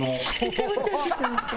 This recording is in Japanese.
めちゃくちゃ撮ってますね。